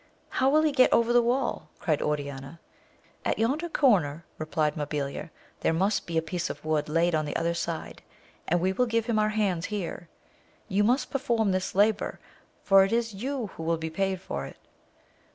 How will he get over the wall ? cried Oriana. At yonder comer, re plied Mabilia, there must be a piece of wood laid on the other side, and we will give him our hands here. You must perform this labour, for it is you who will be paid for it.